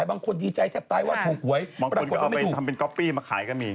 วางคุณก็เอาไปทำเป็นก๊อปปี้มันขายก็มี